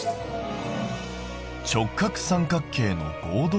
「直角三角形の合同条件」。